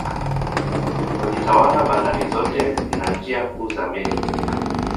Walitawala bandari zote na njia kuu za meli